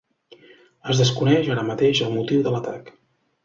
Es desconeix, ara mateix, el motiu de l’atac.